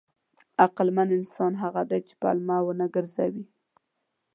عقلمن انسان هغه دی چې پلمه ونه ګرځوي.